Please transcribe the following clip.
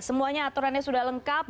semuanya aturannya sudah lengkap